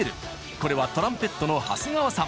これはトランペットの長谷川さん。